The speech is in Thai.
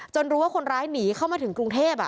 รู้ว่าคนร้ายหนีเข้ามาถึงกรุงเทพ